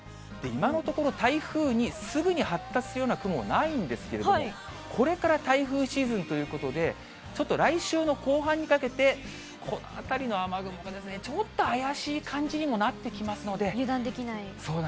今のところ、台風にすぐに発達するような雲、ないんですけれども、これから台風シーズンということで、ちょっと来週の後半にかけて、この辺りの雨雲がちょっと怪しい感じにもなってきますので。